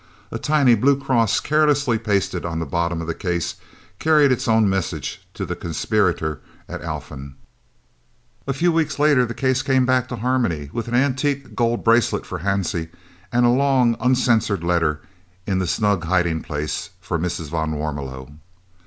A tiny blue cross carelessly pasted on the bottom of the case carried its own message to the conspirator at Alphen. A few weeks later the case came back to Harmony with an antique gold bracelet for Hansie and a long uncensored letter, in the snug hiding place, for Mrs. van Warmelo.